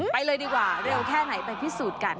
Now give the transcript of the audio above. ไปเลยดีกว่าเร็วแค่ไหนไปพิสูจน์กัน